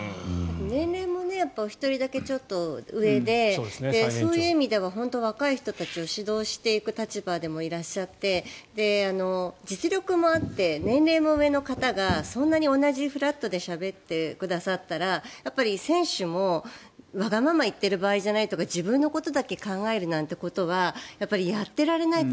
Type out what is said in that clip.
年齢も１人だけちょっと上でそういう意味では若い人たちを指導していく立場でもいらっしゃって実力もあって年齢も上の方がそんなに同じ、フラットでしゃべってくださったら選手もわがまま言っている場合じゃないとか自分のことだけ考えるなんてことはやっていられないって。